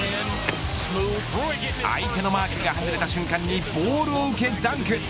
相手のマークが外れた瞬間にボールを受けダンク。